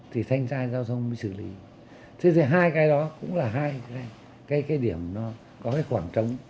thì thanh tra giao thông mới xử lý thế thì hai cái đó cũng là hai cái điểm nó có cái khoảng trống